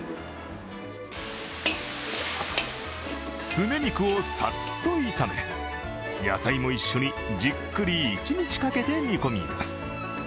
すね肉をさっと炒め、野菜も一緒にじっくり一日かけて煮込みます。